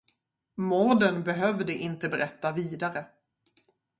Mården behövde inte berätta vidare.